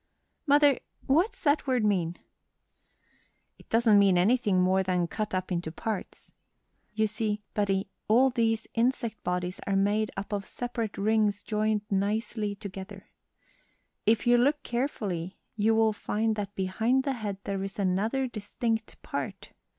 "Mother, what's that word mean?" "It doesn't mean anything more than cut up into parts. You see, Betty, all these insect bodies are made up of separate rings joined nicely together. If you look carefully you will find that behind the head there is another distinct part.